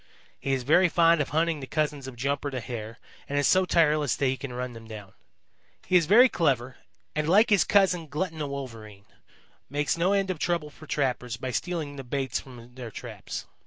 He is very fond of hunting the cousins of Jumper the Hare and is so tireless that he can run them down. He is very clever and, like his cousin, Glutton the Wolverine, makes no end of trouble for trappers by stealing the baits from their traps.